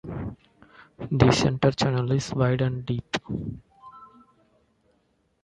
The center channel is wide and deep.